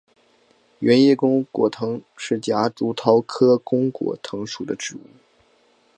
圆叶弓果藤是夹竹桃科弓果藤属的植物。